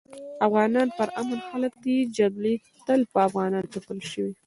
افغانان پر امن خلک دي جګړي تل په افغانانو تپل شوي